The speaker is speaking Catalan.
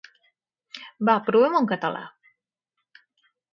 Va, provem-ho en català!